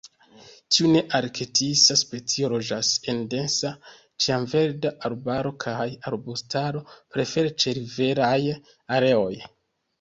Tiu nearktisa specio loĝas en densa ĉiamverda arbaro kaj arbustaro, prefere ĉeriveraj areoj.